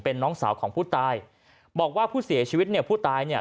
เป็นน้องสาวของผู้ตาย